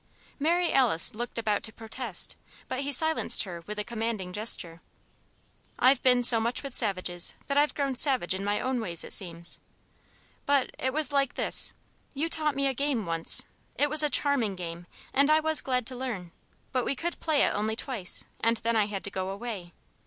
Mary Alice looked about to protest, but he silenced her with a commanding gesture. "I've been so much with savages that I've grown savage in my own ways, it seems. But it was like this: You taught me a game, once. It was a charming game and I was glad to learn. But we could play it only twice, and then I had to go away.